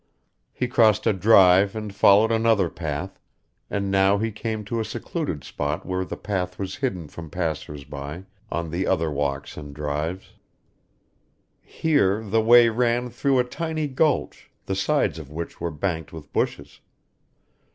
He crossed a drive and followed another path; and now he came to a secluded spot where the path was hidden from passers by on the other walks and drives. Here the way ran through a tiny gulch, the sides of which were banked with bushes.